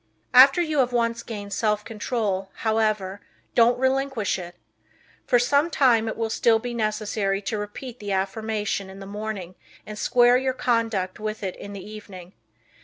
After you have once gained self control, however, don't relinquish it. For some time it will still be necessary to repeat the affirmation in the morning and square your conduct with it in the evening.